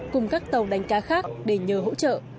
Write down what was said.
cùng các tàu đánh cá khác để nhờ hỗ trợ